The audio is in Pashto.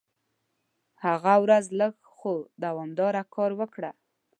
هره ورځ لږ خو دوامداره کار وکړه.